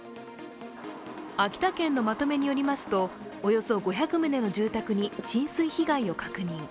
秋田県のまとめによりますと、およそ５００棟の住宅に浸水被害を確認。